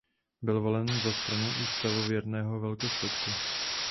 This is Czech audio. Byl volen za Stranu ústavověrného velkostatku.